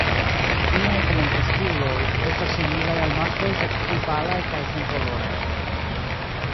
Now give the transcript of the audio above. Inaj plenkreskuloj estas similaj al maskloj sed pli palaj kaj senkoloraj.